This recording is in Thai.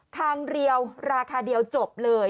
คางเรียวราคาเดียวจบเลย